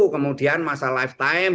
kemudian masalah lifetime